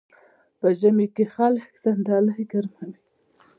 په ژمي کې خلک صندلۍ ګرموي.